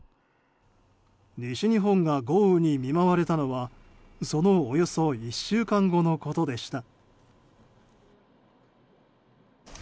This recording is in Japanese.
西日本が豪雨に見舞われたのはそのおよそ１週間後のことでした。